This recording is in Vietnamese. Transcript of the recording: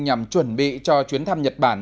nhằm chuẩn bị cho chuyến thăm nhật bản